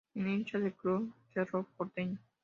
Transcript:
Es hincha del Club Cerro Porteño.